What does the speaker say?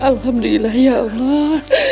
alhamdulillah ya allah